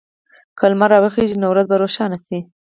که لمر راوخېژي، نو ورځ به روښانه شي.